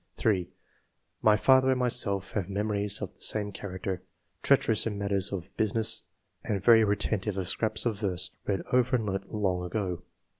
3. ''My father and myself have memories of the same character ; treacherous in matters of business and very retentive of scraps of verse read over and learnt long ago.